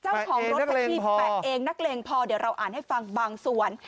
แปะเองนักเลงพอแปะเองนักเลงพอเดี๋ยวเราอ่านให้ฟังบางส่วน